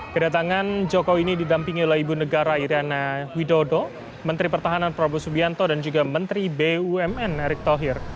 kedatangan jokowi ini didampingi oleh ibu negara iryana widodo menteri pertahanan prabowo subianto dan juga menteri bumn erick thohir